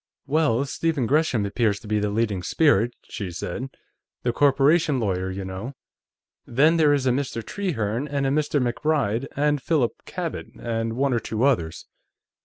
"Well, Stephen Gresham appears to be the leading spirit," she said. "The corporation lawyer, you know. Then, there is a Mr. Trehearne, and a Mr. MacBride, and Philip Cabot, and one or two others."